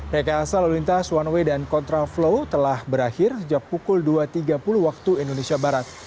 rekayasa lalu lintas one way dan kontraflow telah berakhir sejak pukul dua tiga puluh waktu indonesia barat